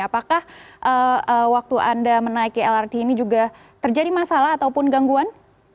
apakah waktu anda menaiki lrt ini juga terjadi masalah ataupun gangguan